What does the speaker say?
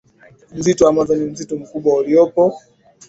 Msitu wa Amazon ni msitu mkubwa uliopo